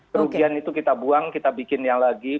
kerugian itu kita buang kita bikin yang lagi